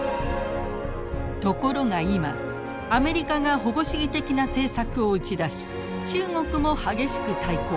ところが今アメリカが保護主義的な政策を打ち出し中国も激しく対抗。